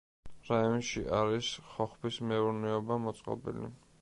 რაიონში არის ხოხბის მეურნეობა მოწყობილი.